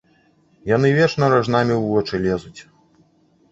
Яны вечна ражнамі ў вочы лезуць.